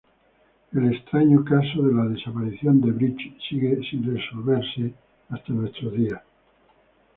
El extraño caso de la desaparición de Briggs sigue sin resolver hasta nuestros días.